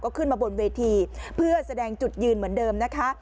ขึ้นมาบนเวทีเพื่อแสดงจุดยืนเหมือนเดิมนะคะ